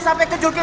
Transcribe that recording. seperti apa kai